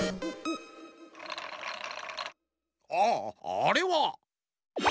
ああれは。